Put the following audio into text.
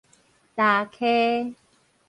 乾溪